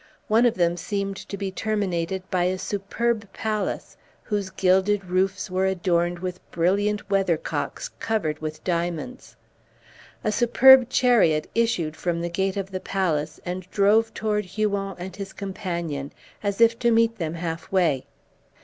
One of them seemed to be terminated by a superb palace, whose gilded roofs were adorned with brilliant weathercocks covered with diamonds. A superb chariot issued from the gate of the palace, and drove toward Huon and his companion, as if to meet them half way.